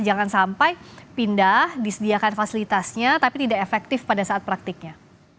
jangan sampai pindah disediakan fasilitasnya tapi tidak efektif pada saat praktiknya